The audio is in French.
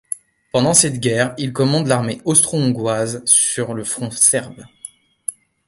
Pendant cette guerre, il commande l'armée austro-hongroise sur le front serbe.